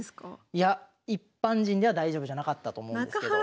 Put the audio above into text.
いや一般人では大丈夫じゃなかったと思うんですけど。